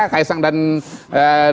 kaisang dan pengantin